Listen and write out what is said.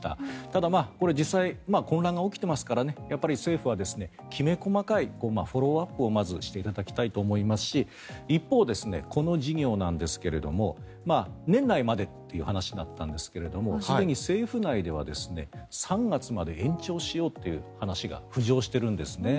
ただ、実際混乱が起きていますから政府はきめ細かいフォローアップをまずしていただきたいと思いますし一方、この事業なんですが年内までという話だったんですがすでに政府内では３月まで延長しようという話が浮上しているんですね。